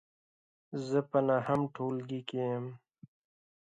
زه په نهم ټولګې کې یم .